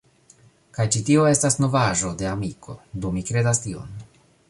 Kaj ĉi tio estas novaĵo de amiko, do mi kredas tion.